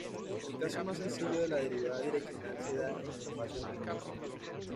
El caso más sencillo de la derivada direccional se da en el espacio tridimensional.